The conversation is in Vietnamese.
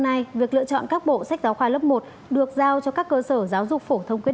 hôm nay việc lựa chọn các bộ sách giáo khoa lớp một được giao cho các cơ sở giáo dục phổ thông quyết